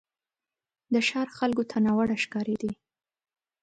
د ښار خلکو ته ناوړه ښکارېدی.